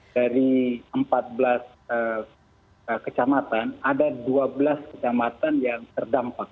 dari empat belas kecamatan ada dua belas kecamatan yang terdampak